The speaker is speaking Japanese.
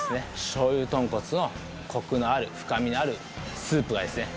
醤油豚骨のコクのある深みのあるスープがですね